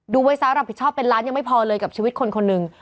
ไว้ซะรับผิดชอบเป็นล้านยังไม่พอเลยกับชีวิตคนคนหนึ่ง